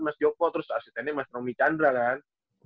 mas joko terus asistennya mas romy chandra kan